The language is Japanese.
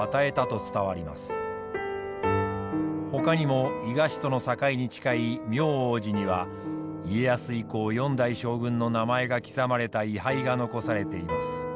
ほかにも伊賀市との境に近い明王寺には家康以降４代将軍の名前が刻まれた位牌が残されています。